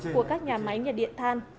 của các nhà máy nhiệt điện than